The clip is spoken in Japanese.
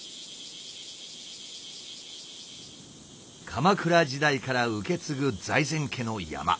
鎌倉時代から受け継ぐ財前家の山。